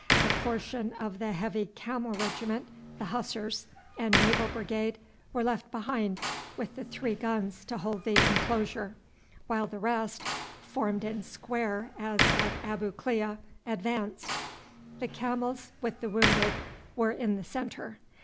A portion of the Heavy Camel Regiment, the Hussars, and Naval Brigade were left behind with the three guns to hold the inclosure, while the rest, formed in square as at Abu Klea, advanced. The camels with the wounded were in the centre.